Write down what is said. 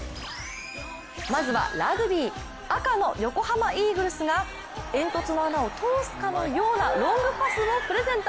まずはラグビー、「赤」の横浜イーグルスが煙突の穴を通すかのようなロングパスをプレゼント。